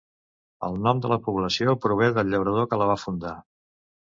El nom de la població prové del llaurador que la va fundar.